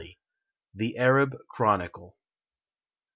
] THE ARABIC CHRONICLE.